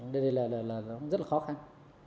đây là rất là khó khăn